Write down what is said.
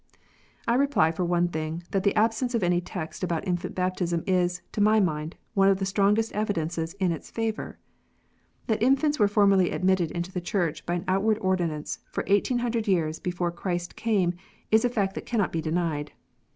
I reply, for one thing, that the absence of any text about infant baptism is, to my mind, one of the strongest evidences in its favour. That infants were formally admitted into the Church by an outward ordinance, for 1800 years before Christ came, is a fact that cannot be denied.